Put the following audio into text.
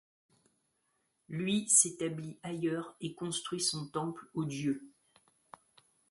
Lui s'établit ailleurs et construit son temple aux dieux.